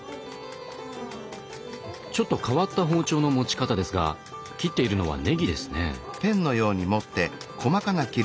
ちょっと変わった包丁の持ち方ですが切っているのはねぎですね。